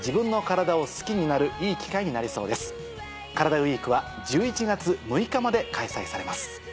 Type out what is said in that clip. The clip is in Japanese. ＷＥＥＫは１１月６日まで開催されます。